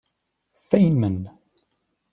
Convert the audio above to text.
Feynman!".